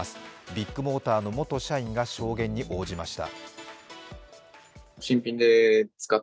ビッグモーターの元社員が証言に応じました。